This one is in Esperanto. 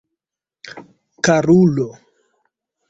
Karulo!